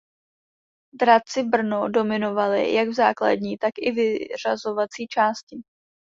Draci Brno dominovali jak v základní tak i vyřazovací části.